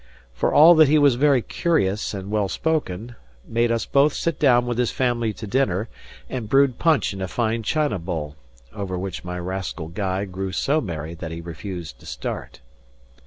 For all that he was very courteous and well spoken, made us both sit down with his family to dinner, and brewed punch in a fine china bowl, over which my rascal guide grew so merry that he refused to start.